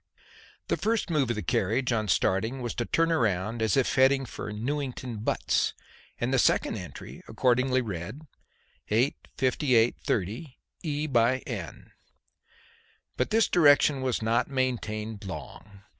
The first move of the carriage on starting was to turn round as if heading for Newington Butts, and the second entry accordingly read: "8.58.30. E. by N." But this direction was not maintained long.